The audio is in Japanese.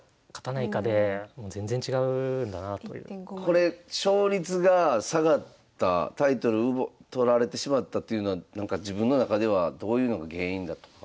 これ勝率が下がったタイトル取られてしまったというのは自分の中ではどういうのが原因だとかは？